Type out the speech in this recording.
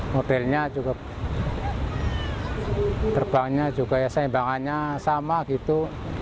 modelnya cukup terbangnya juga ya seimbangannya sama gitu